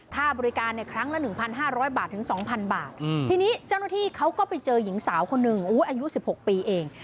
ค่าบริการเนี่ยครั้งละหนึ่งพันห้าร้อยบาทถึงสองพันบาททีนี้เจ้าหน้าที่เขาก็ไปเจอหญิงสาวคนหนึ่งอายุสิบหกปีเอง